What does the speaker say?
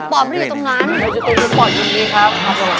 ไม่ได้อยู่ตรงนี้ครับ